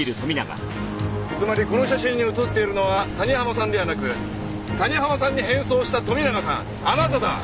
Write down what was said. つまりこの写真に写っているのは谷浜さんではなく谷浜さんに変装した富永さんあなただ。